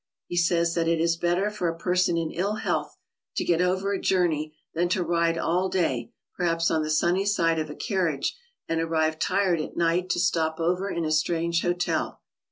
He says that it is better for a person in ill health to get over a journey than to ride all day, perhaps on the sunny side of a carriage, and arrive tired at night to stop over in a strange hotel.